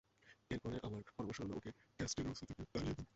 এর পরে, আমার পরামর্শ হল ওকে কাস্টেলরোসো থেকে তাড়িয়ে দিন।